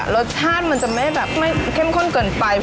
รสชาติมันจะไม่แบบไม่เข้มข้นเกินไป